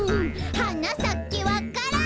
「はなさけわか蘭」